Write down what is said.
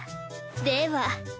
では。